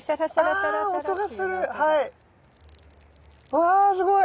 わすごい。